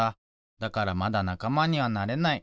だからまだなかまにはなれない。